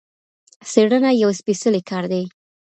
څېړنه یو سپیڅلی کار دی.